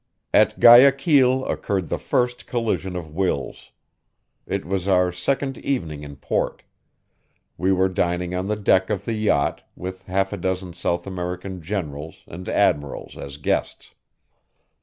At Guayaquil occurred the first collision of wills. It was our second evening in port. We were dining on the deck of the yacht, with half a dozen South American generals and admirals as guests.